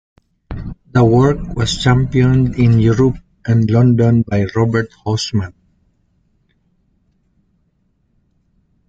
The work was championed in Europe and London by Robert Hausmann.